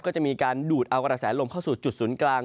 ก็จะมีการดูดเอากระแสลมเข้าสู่จุดศูนย์กลาง